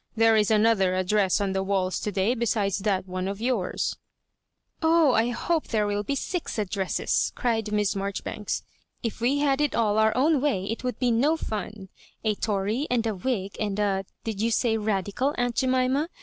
There is another address on the wails to day besides that one of yours '* "Oh, I hope there will be six addresses I" cried Miss Marjoribanks ;*^ if we had it all our own way it would be no fhn ;— a Tory, and a Whig, and a— did you say Radical, aunt Jemima?